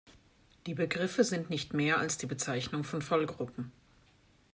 Die Begriffe sind nicht mehr als die Bezeichnung von Fallgruppen.